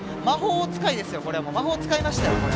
魔法使いましたよ